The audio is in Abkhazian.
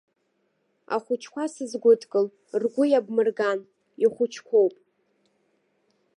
Ахәыҷқәа сызгәыдкыл, ргәы иабмырган, ихәыҷқәоуп!